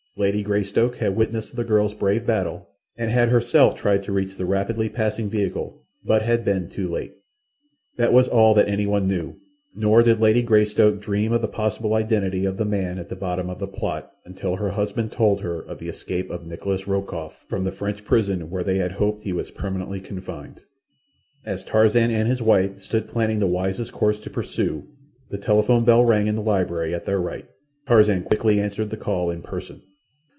Lady Greystoke had witnessed the girl's brave battle, and had herself tried to reach the rapidly passing vehicle, but had been too late. That was all that anyone knew, nor did Lady Greystoke dream of the possible identity of the man at the bottom of the plot until her husband told her of the escape of Nikolas Rokoff from the French prison where they had hoped he was permanently confined. As Tarzan and his wife stood planning the wisest course to pursue, the telephone bell rang in the library at their right. Tarzan quickly answered the call in person.